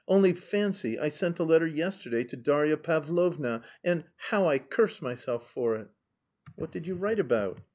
Only fancy, I sent a letter yesterday to Darya Pavlovna and... how I curse myself for it!" "What did you write about?"